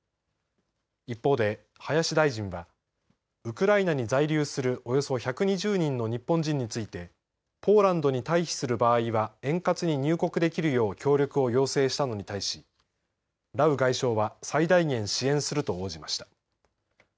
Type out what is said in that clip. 一方で、林大臣はウクライナに在留するおよそ１２０人の日本人についてポーランドに退避する場合は円滑に入国できるよう協力を要請したのに対しラウ外相は最大限支援すると応じました。